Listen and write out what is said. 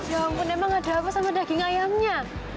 ya ampun emang ada apa sama daging ayamnya